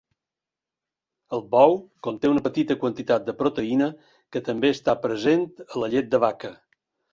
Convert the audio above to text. El bou conté una petita quantitat de proteïna que també està present a la llet de vaca.